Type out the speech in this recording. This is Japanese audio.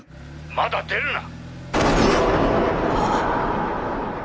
まだ出るな！